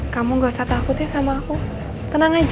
kamu gak usah takutnya sama aku tenang aja